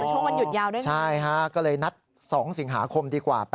ช่วงวันหยุดยาวด้วยนะใช่ฮะก็เลยนัด๒สิงหาคมดีกว่า